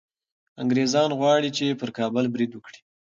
انګریزان غواړي چي پر کابل برید وکړي.